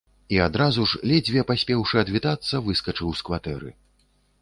І адразу ж, ледзьве паспеўшы адвітацца, выскачыў з кватэры.